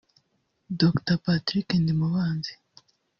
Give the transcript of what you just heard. Dr Patrick Ndimubanzi